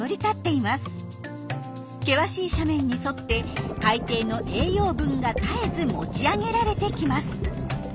険しい斜面に沿って海底の栄養分が絶えず持ち上げられてきます。